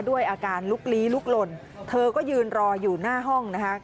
ด้วยอาการลุกลี้ลุกลนเธอก็ยืนรออยู่หน้าห้องนะคะ